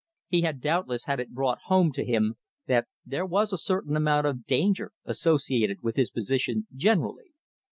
He had doubtless had it brought home to him that there was a certain amount of danger associated with his position generally.